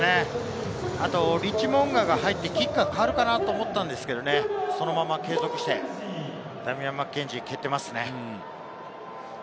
リッチー・モウンガが入ってキッカーが代わるかと思いますが、継続してダミアン・マッケンジーが蹴っていますね。